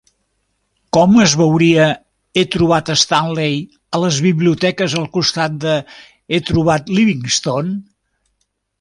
Com es veuria "He trobat Stanley" a les biblioteques al costat de "He trobat Livingstone"?